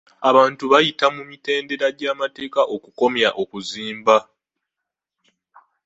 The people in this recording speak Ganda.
Abantu baayita mu mitendera gy'amateeka okukomya okuzimba.